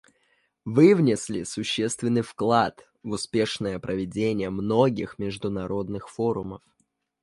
Вы внесли существенный вклад в успешное проведение многих международных форумов.